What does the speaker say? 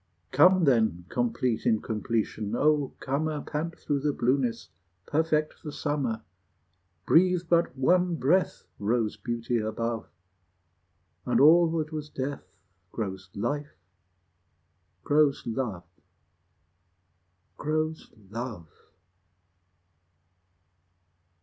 Come then, complete incompletion, O comer, Pant through the blueness, perfect the summer! Breathe but one breath Rose beauty above, And all that was death Grows life, grows love, Grows love!